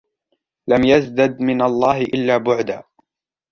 لَمْ يَزْدَدْ مِنْ اللَّهِ إلَّا بُعْدًا